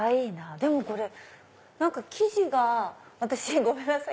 でもこれ生地ごめんなさい。